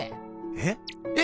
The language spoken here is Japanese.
えっ⁉えっ！